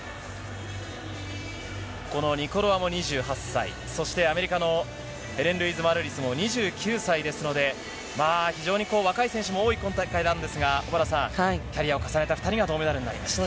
このニコロワも２８歳、そしてアメリカのヘレンルイーズ・マルーリスも２９歳ですので、まあ、非常にこう、若い選手も多い今大会なんですが、小原さん、キャリアを重ねた２人が銅メダルになりました。